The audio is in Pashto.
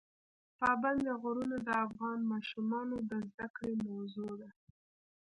پابندی غرونه د افغان ماشومانو د زده کړې موضوع ده.